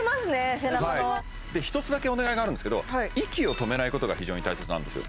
背中のうわすごい一つだけお願いがあるんですけど息を止めないことが非常に大切なんですよ